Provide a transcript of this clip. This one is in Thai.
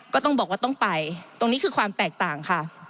ก็ต้องบอกว่าต้องไปตรงนี้คือความแตกต่างค่ะ